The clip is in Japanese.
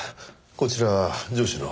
こちら上司の。